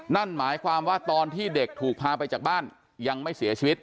นั่นหมายความว่าตอนที่เด็กถูกพาไปจากบ้านยังไม่เสียชีวิต